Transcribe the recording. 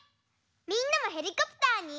みんなもヘリコプターに。